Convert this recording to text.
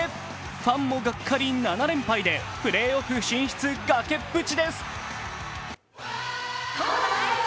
ファンもがっかり７連敗でプレーオフ進出崖っぷちです。